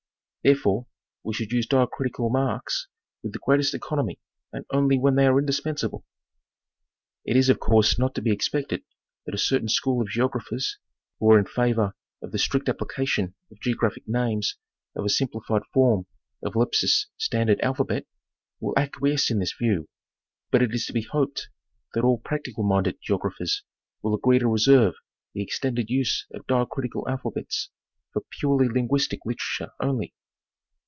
Therefore, we should use diacritical marks with the greatest economy, and only when they are indispensable. It is of course not to be expected that a certain school of geographers, who are in favor of the strict application to geo graphic names of a simplified form of Lepsius' standard alphabet, will acquiesce in this view, but it is to be hoped that all practical minded geographers will agree to reserve the extended use of diacritical alphabets for purely linguistic literature only.